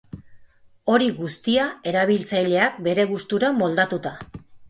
Hori guztia, erabiltzaileak bere gustura moldatuta.